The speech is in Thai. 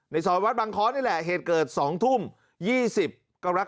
ในซอยวัดบางค้อนี่แหละเหตุเกิดสองทุ่มยี่สิบกรัก